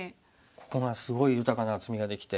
ここがすごい豊かな厚みができて。